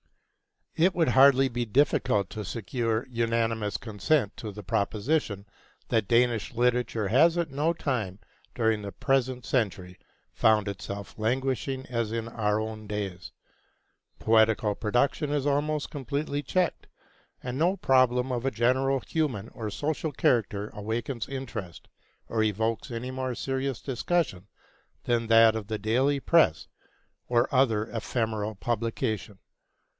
It would hardly be difficult to secure unanimous consent to the proposition that Danish literature has at no time during the present century found itself languishing as in our own days. Poetical production is almost completely checked, and no problem of a general human or social character awakens interest or evokes any more serious discussion than that of the daily press or other ephemeral publication.